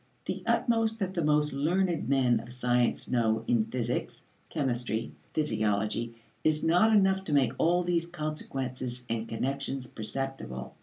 The utmost that the most learned men of science know in physics, chemistry, physiology is not enough to make all these consequences and connections perceptible.